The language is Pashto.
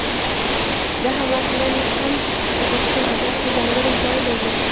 دا حماسه نن هم په پښتو ادب کې ځانګړی ځای لري